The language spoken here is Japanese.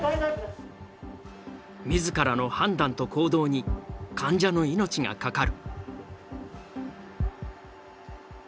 自らの判断と行動に患者の命がかかる。